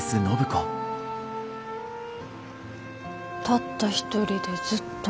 たった一人でずっと。